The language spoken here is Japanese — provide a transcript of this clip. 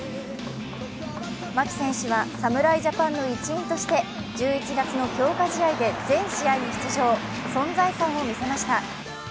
牧選手は侍ジャパンの一員として、１１月の強化試合で全試合に出場、存在感を見せました。